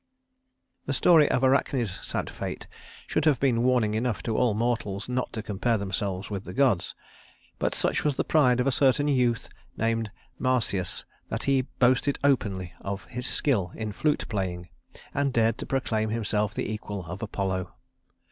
II The story of Arachne's sad fate should have been warning enough to all mortals not to compare themselves with the gods; but such was the pride of a certain youth named Marsyas that he boasted openly of his skill in flute playing, and dared to proclaim himself the equal of Apollo.